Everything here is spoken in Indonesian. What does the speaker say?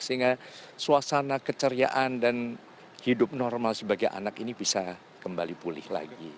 sehingga suasana keceriaan dan hidup normal sebagai anak ini bisa kembali pulih lagi